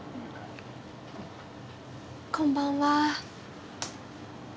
こんばんは。